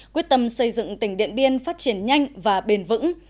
quyết tâm xây dựng tỉnh điện biên phát triển nhanh và bền vững